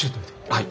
はい。